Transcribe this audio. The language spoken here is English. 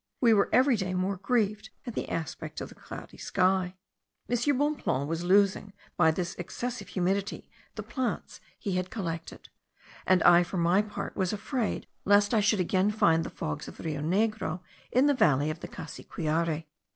We were every day more grieved at the aspect of the cloudy sky. M. Bonpland was losing by this excessive humidity the plants he had collected; and I, for my part, was afraid lest I should again find the fogs of the Rio Negro in the valley of the Cassiquiare.